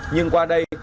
nhưng qua đây